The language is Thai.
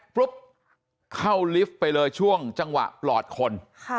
ปุ๊บเข้าลิฟต์ไปเลยช่วงจังหวะปลอดคน